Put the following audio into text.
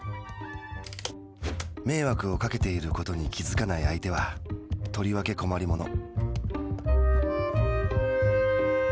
迷惑をかけていることに気づかない相手はとりわけ困りもの。